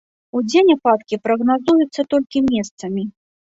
Удзень ападкі прагназуюцца толькі месцамі.